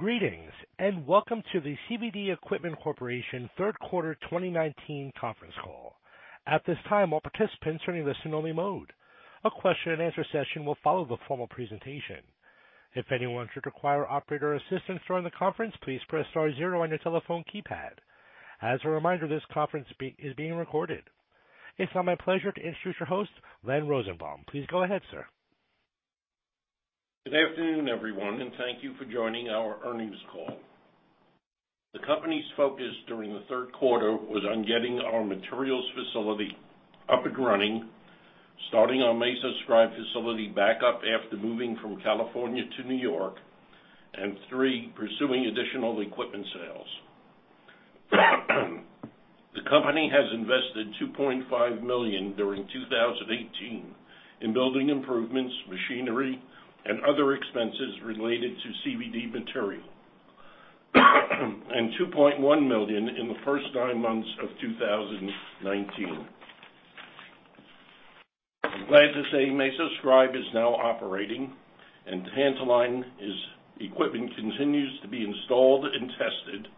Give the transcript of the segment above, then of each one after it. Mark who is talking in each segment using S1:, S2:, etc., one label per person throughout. S1: Greetings, and welcome to the CVD Equipment Corporation third quarter 2019 conference call. At this time, all participants are in listen-only mode. A question and answer session will follow the formal presentation. If anyone should require operator assistance during the conference, please press star zero on your telephone keypad. As a reminder, this conference is being recorded. It's now my pleasure to introduce your host, Len Rosenbaum. Please go ahead, sir.
S2: Good afternoon, everyone, and thank you for joining our earnings call. The company's focus during the third quarter was on getting our materials facility up and running, starting our MesoScribe facility back up after moving from California to New York, and three, pursuing additional equipment sales. The company has invested $2.5 million during 2018 in building improvements, machinery, and other expenses related to CVD Materials. $2.1 million in the first nine months of 2019. I'm glad to say MesoScribe is now operating, and Tantaline's equipment continues to be installed and tested,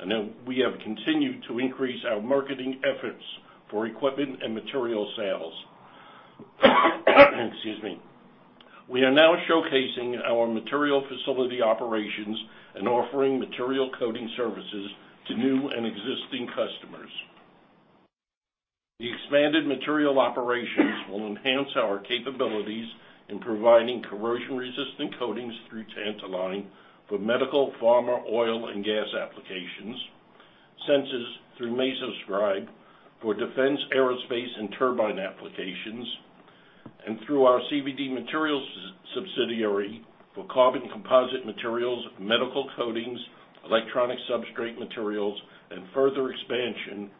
S2: and that we have continued to increase our marketing efforts for equipment and material sales. Excuse me. We are now showcasing our material facility operations and offering material coating services to new and existing customers. The expanded material operations will enhance our capabilities in providing corrosion-resistant coatings through Tantaline for medical, pharma, oil, and gas applications, sensors through MesoScribe for defense, aerospace, and turbine applications, and through our CVD Materials subsidiary for carbon composite materials, medical coatings, electronic substrate materials, and further expansion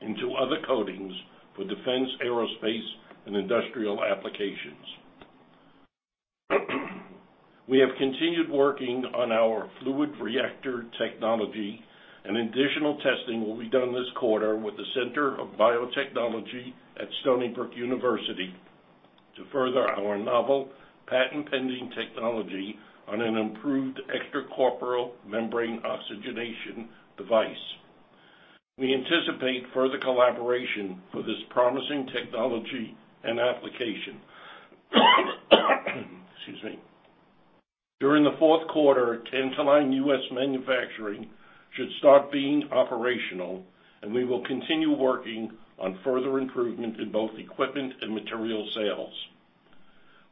S2: into other coatings for defense, aerospace, and industrial applications. We have continued working on our Fluid Reactor technology, and additional testing will be done this quarter with the Center for Biotechnology at Stony Brook University to further our novel patent-pending technology on an improved extracorporeal membrane oxygenation device. We anticipate further collaboration for this promising technology and application. Excuse me. During the fourth quarter, Tantaline U.S. manufacturing should start being operational, and we will continue working on further improvement in both equipment and material sales.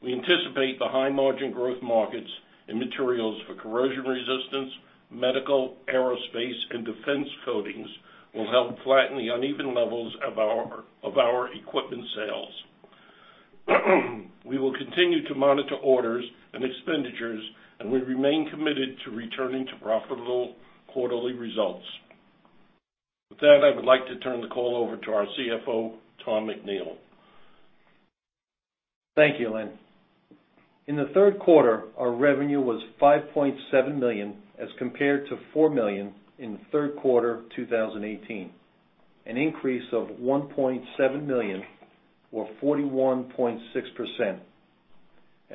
S2: We anticipate the high-margin growth markets in materials for corrosion resistance, medical, aerospace, and defense coatings will help flatten the uneven levels of our equipment sales. We will continue to monitor orders and expenditures, and we remain committed to returning to profitable quarterly results. With that, I would like to turn the call over to our CFO, Tom McNeill.
S3: Thank you, Len. In the third quarter, our revenue was $5.7 million as compared to $4 million in the third quarter of 2018, an increase of $1.7 million or 41.6%.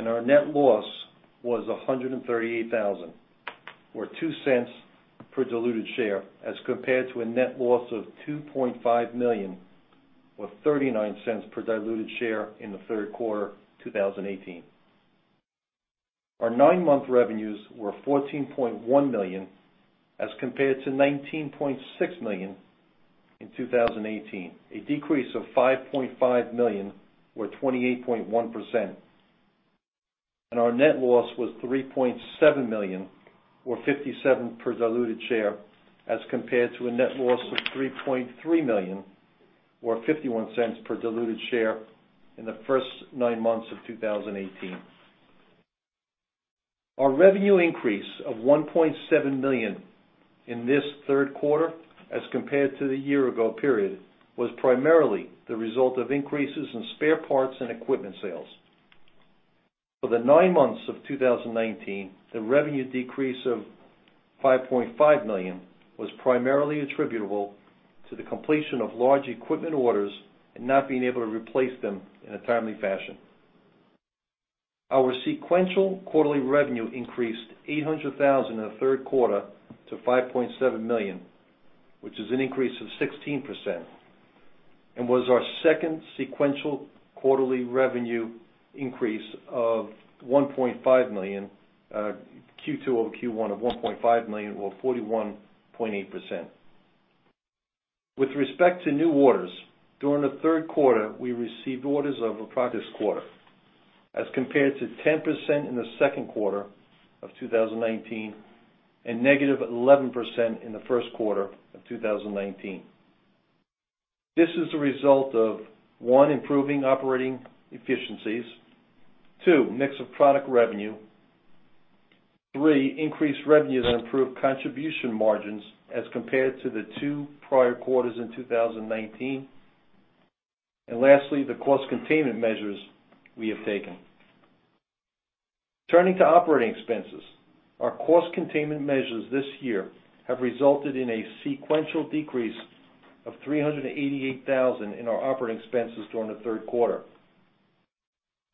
S3: Our net loss was $138,000 or per diluted share as compared to a net loss of $2.5 million or $0.39 per diluted share in the third quarter of 2018. Our nine-month revenues were $14.1 million as compared to $19.6 million in 2018, a decrease of $5.5 million or 28.1%. Our net loss was $3.7 million or $0.57 per diluted share as compared to a net loss of $3.3 million or $0.51 per diluted share in the first nine months of 2018. Our revenue increase of $1.7 million in this third quarter as compared to the year-ago period was primarily the result of increases in spare parts and equipment sales. For the nine months of 2019, the revenue decrease of $5.5 million was primarily attributable to the completion of large equipment orders and not being able to replace them in a timely fashion. Our sequential quarterly revenue increased $800,000 in the third quarter to $5.7 million, which is an increase of 16%, and was our second sequential quarterly revenue increase of $1.5 million, Q2 over Q1 of $1.5 million or 41.8%. With respect to new orders, during the third quarter, we received orders of a [inaudible] as compared to 10% in the second quarter of 2019 and negative 11% in the first quarter of 2019. This is a result of, one, improving operating efficiencies, two, mix of product revenue, three, increased revenues and improved contribution margins as compared to the two prior quarters in 2019, and lastly, the cost containment measures we have taken. Turning to operating expenses. Our cost containment measures this year have resulted in a sequential decrease of $388,000 in our operating expenses during the third quarter.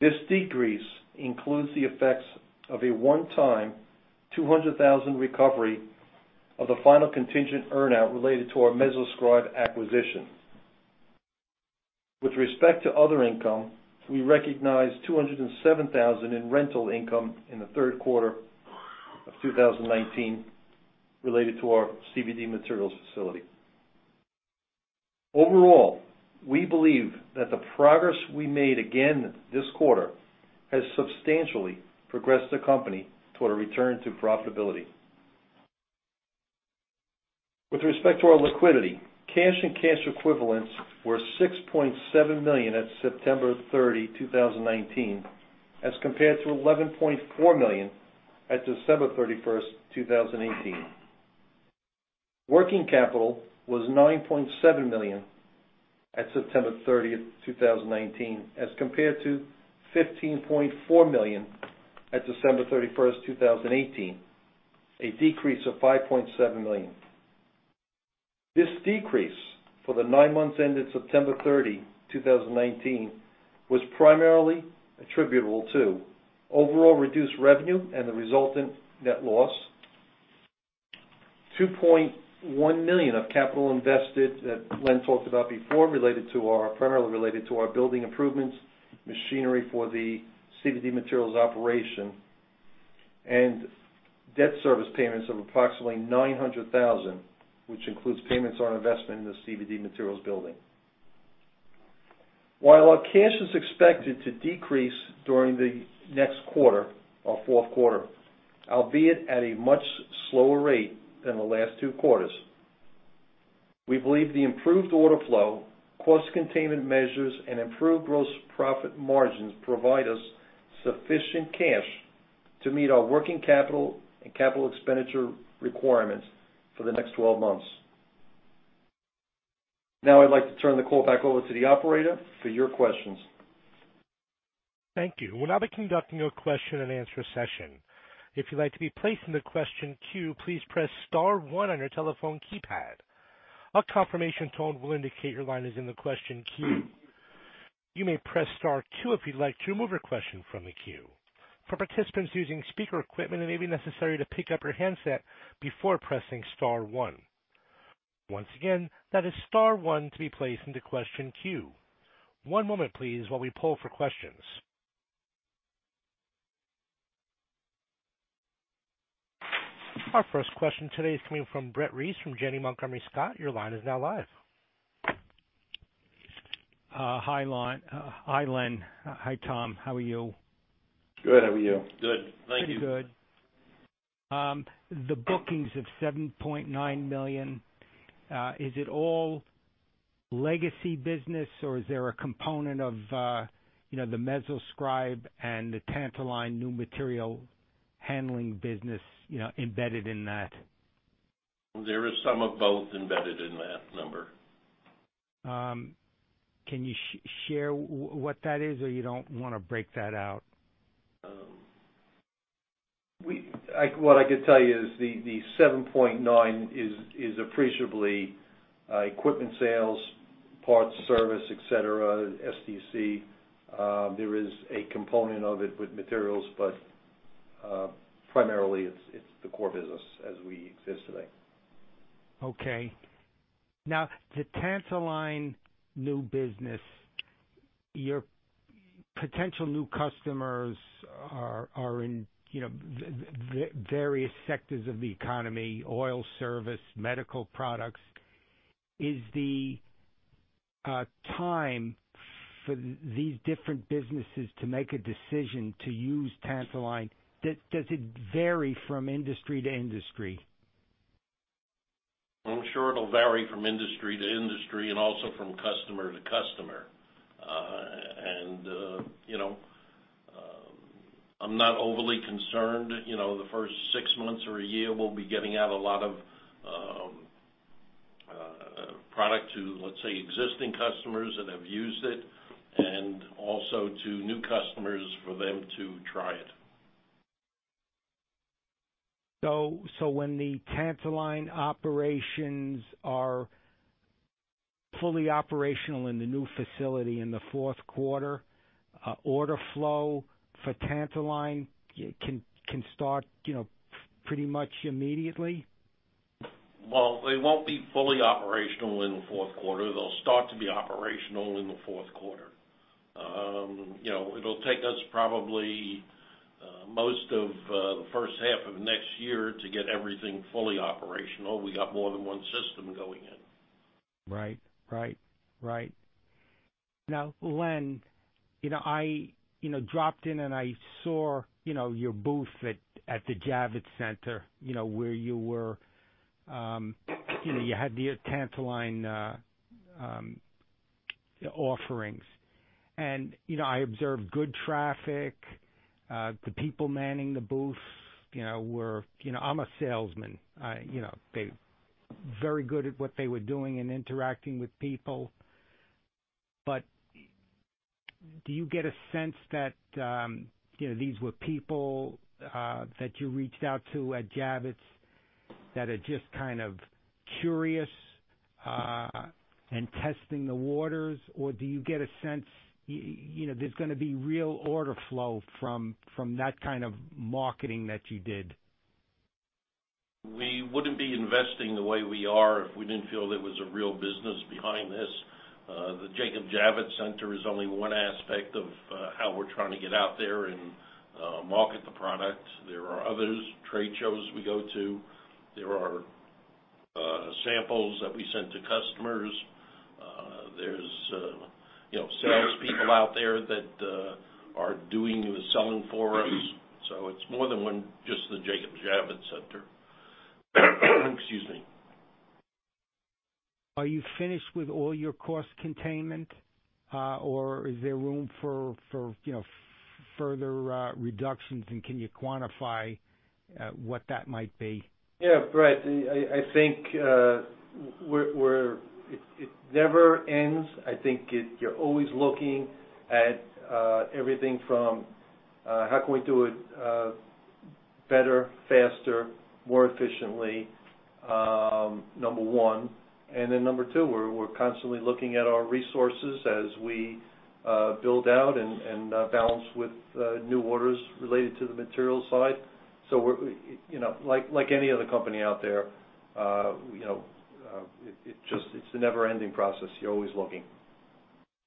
S3: This decrease includes the effects of a one-time $200,000 recovery of the final contingent earn-out related to our MesoScribe acquisition. With respect to other income, we recognized $207,000 in rental income in the third quarter of 2019 related to our CVD Materials facility. We believe that the progress we made again this quarter has substantially progressed the company toward a return to profitability. With respect to our liquidity, cash and cash equivalents were $6.7 million at September 30, 2019, as compared to $11.4 million at December 31, 2018. Working capital was $9.7 million at September 30, 2019, as compared to $15.4 million at December 31, 2018, a decrease of $5.7 million. This decrease for the nine months ended September 30, 2019, was primarily attributable to overall reduced revenue and the resultant net loss, $2.1 million of capital invested that Len talked about before, primarily related to our building improvements, machinery for the CVD Materials operation, and debt service payments of approximately $900,000, which includes payments on investment in the CVD Materials building. While our cash is expected to decrease during the next quarter, our fourth quarter, albeit at a much slower rate than the last two quarters, we believe the improved order flow, cost containment measures, and improved gross profit margins provide us sufficient cash to meet our working capital and capital expenditure requirements for the next 12 months. Now I'd like to turn the call back over to the operator for your questions.
S1: Thank you. We'll now be conducting a question and answer session. If you'd like to be placed in the question queue, please press star one on your telephone keypad. A confirmation tone will indicate your line is in the question queue. You may press star two if you'd like to remove your question from the queue. For participants using speaker equipment, it may be necessary to pick up your handset before pressing star one. Once again, that is star one to be placed into question queue. One moment, please, while we poll for questions. Our first question today is coming from Brett Reiss from Janney Montgomery Scott. Your line is now live.
S4: Hi, Len. Hi, Tom. How are you?
S3: Good. How are you?
S2: Good. Thank you.
S4: Pretty good. The bookings of $7.9 million, is it all legacy business or is there a component of the MesoScribe and the Tantaline new material handling business embedded in that?
S2: There is some of both embedded in that number.
S4: Can you share what that is, or you don't want to break that out?
S3: What I could tell you is the $7.9 is appreciably equipment sales, parts, service, et cetera, CVD. There is a component of it with materials, but primarily it's the core business as we exist today.
S4: Okay. The Tantaline new business, your potential new customers are in various sectors of the economy, oil service, medical products. Is the time for these different businesses to make a decision to use Tantaline, does it vary from industry to industry?
S2: I'm sure it'll vary from industry to industry and also from customer to customer. I'm not overly concerned. The first six months or a year, we'll be getting out a lot of product to, let's say, existing customers that have used it, and also to new customers for them to try it.
S4: When the Tantaline operations are fully operational in the new facility in the fourth quarter, order flow for Tantaline can start pretty much immediately?
S2: Well, they won't be fully operational in the fourth quarter. They'll start to be operational in the fourth quarter. It'll take us probably most of the first half of next year to get everything fully operational. We got more than one system going in.
S4: Right. Len, I dropped in and I saw your booth at the Javits Center, where you had the Tantaline offerings. I observed good traffic. The people manning the booth were very good at what they were doing and interacting with people. Do you get a sense that these were people that you reached out to at Javits that are just kind of curious, testing the waters, or do you get a sense there's going to be real order flow from that kind of marketing that you did?
S2: We wouldn't be investing the way we are if we didn't feel there was a real business behind this. The Jacob Javits Center is only one aspect of how we're trying to get out there and market the product. There are other trade shows we go to. There are samples that we send to customers. There's salespeople out there that are doing the selling for us. It's more than just the Jacob Javits Center. Excuse me.
S4: Are you finished with all your cost containment, or is there room for further reductions, and can you quantify what that might be?
S2: Yeah, Brett, I think it never ends. I think you're always looking at everything from how can we do it better, faster, more efficiently, number one. Number two, we're constantly looking at our resources as we build out and balance with new orders related to the materials side. Like any other company out there, it's a never-ending process. You're always looking.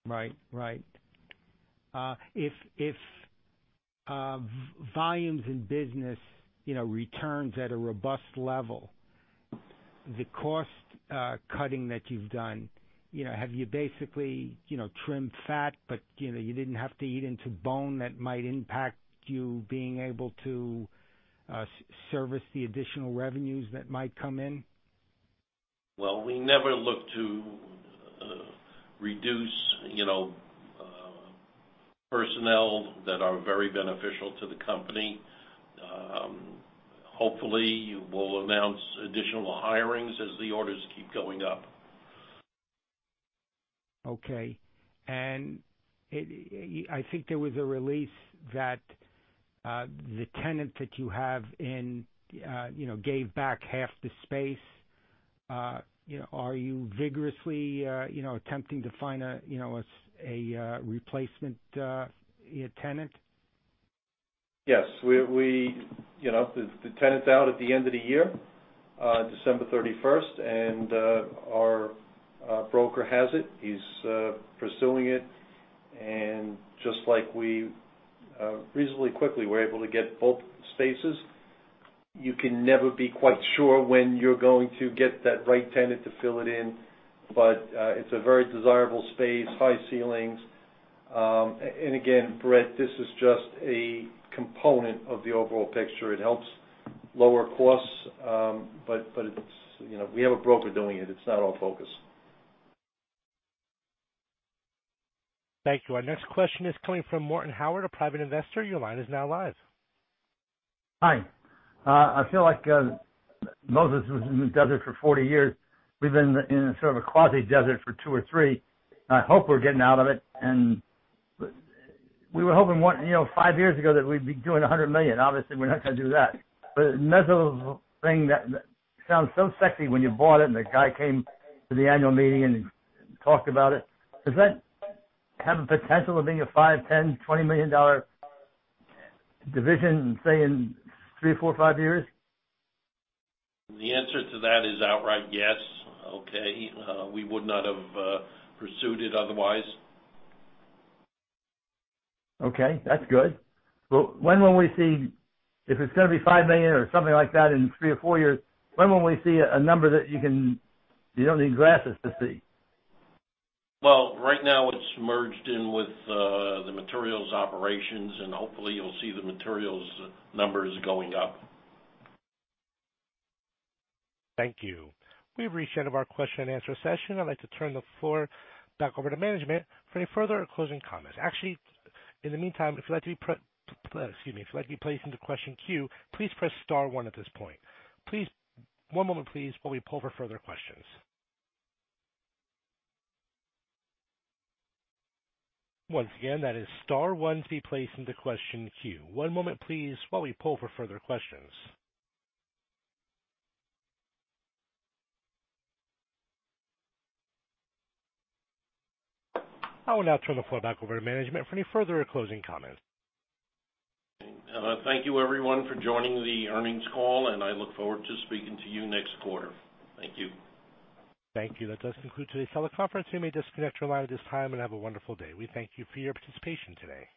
S4: Right. If volumes in business returns at a robust level, the cost cutting that you've done, have you basically trimmed fat, but you didn't have to eat into bone that might impact you being able to service the additional revenues that might come in?
S2: Well, we never look to reduce personnel that are very beneficial to the company. Hopefully, we'll announce additional hirings as the orders keep going up.
S4: Okay. I think there was a release that the tenant that you have in gave back half the space. Are you vigorously attempting to find a replacement tenant?
S2: Yes. The tenant's out at the end of the year, December 31st. Our broker has it. He's pursuing it. Just like we reasonably quickly were able to get both spaces, you can never be quite sure when you're going to get that right tenant to fill it in. It's a very desirable space, high ceilings. Again, Brett, this is just a component of the overall picture. It helps lower costs. We have a broker doing it. It's not our focus.
S1: Thank you. Our next question is coming from Morton Howard, a private investor. Your line is now live.
S5: Hi. I feel like Moses was in the desert for 40 years. We've been in a sort of a quasi-desert for two or three. I hope we're getting out of it. We were hoping five years ago that we'd be doing $100 million. Obviously, we're not going to do that. Metal thing that sounds so sexy when you bought it, and the guy came to the annual meeting and talked about it. Does that have a potential of being a $5 million, $10 million, $20 million division, say, in three, four, five years?
S2: The answer to that is outright yes. Okay? We would not have pursued it otherwise.
S5: Okay, that's good. When will we see if it's going to be $5 million or something like that in three or four years, when will we see a number that you don't need glasses to see?
S2: Well, right now it's merged in with the materials operations. Hopefully you'll see the materials numbers going up.
S1: Thank you. We've reached the end of our question and answer session. I'd like to turn the floor back over to management for any further closing comments. Actually, in the meantime, if you'd like to be Excuse me. If you'd like to be placed into question queue, please press star one at this point. One moment please while we poll for further questions. Once again, that is star one to be placed into question queue. One moment please while we poll for further questions. I will now turn the floor back over to management for any further closing comments.
S2: Thank you, everyone, for joining the earnings call, and I look forward to speaking to you next quarter. Thank you.
S1: Thank you. That does conclude today's teleconference. You may disconnect your line at this time, and have a wonderful day. We thank you for your participation today.